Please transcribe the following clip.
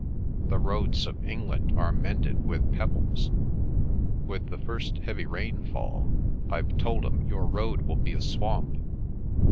"The roads of England are mended with pebbles! 'With the first heavy rainfall,' I've told 'em, 'your road will be a swamp.